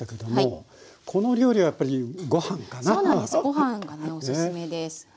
ご飯がねおすすめです。